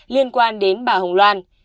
liên quan đến bà hồng loan